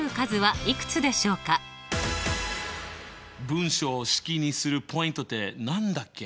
文章を式にするポイントって何だっけ？